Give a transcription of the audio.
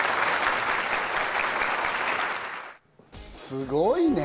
すごいね！